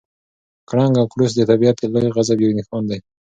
کړنګ او کړوس د طبیعت د لوی غضب یو نښان دی.